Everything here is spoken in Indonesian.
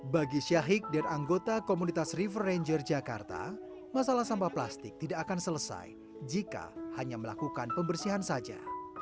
bagi syahik dan anggota komunitas river ranger jakarta masalah sampah plastik tidak akan selesai jika hanya melakukan pembersihan saja